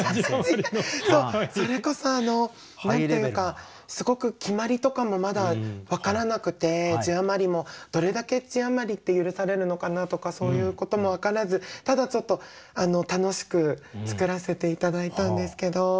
それこそ何て言うかすごく決まりとかもまだ分からなくて字余りもどれだけ字余りって許されるのかなとかそういうことも分からずただちょっと楽しく作らせて頂いたんですけど。